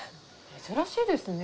珍しいですね。